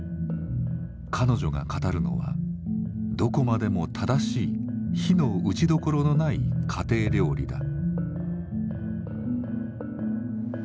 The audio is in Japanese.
彼女が語るのはどこまでも正しい非のうちどころのない家庭料理だ。